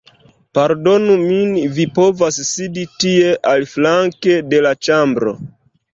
Pardonu min vi povas sidi tie aliflanke de la ĉambro!